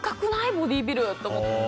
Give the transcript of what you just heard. ボディービルって思って。